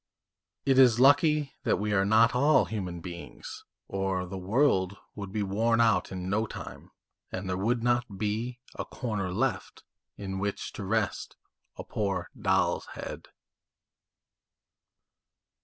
It is lucky that we are not all human beings, or the world would be worn out in no time, and there would not be a corner left in which to rest a poor doll's head."